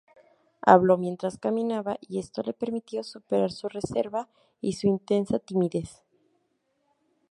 Habló mientras caminaba, y esto le permitió superar su reserva y su intensa timidez.